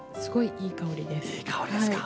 いい香りですか。